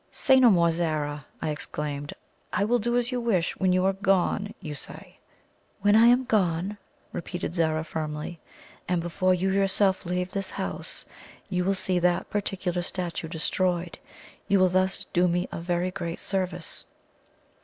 "Say no more, Zara!" I exclaimed; "I will do as you wish. When you are gone, you say " "When I am gone," repeated Zara firmly, "and before you yourself leave this house, you will see that particular statue destroyed. You will thus do me a very great service."